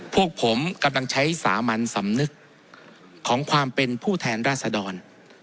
พวกผมกำลังใช้สามัญสำนึกของความเป็นผู้แทนราษดร